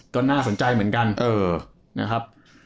ก็น่าสนใจเหมือนกันนะครับ